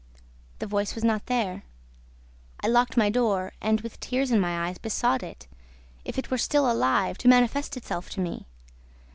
The voice was not there. I locked my door and, with tears in my eyes, besought it, if it were still alive, to manifest itself to me.